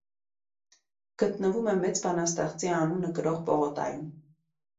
Գտնվում է մեծ բանաստեղծի անունը կրող պողոտայում։